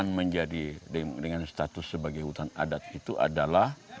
yang menjadi dengan status sebagai hutan adat itu adalah